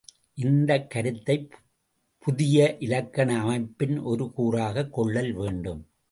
இந்தக் கருத்தைப் புதிய இலக்கண அமைப்பின் ஒரு கூறாகக் கொள்ளல் வேண்டும்.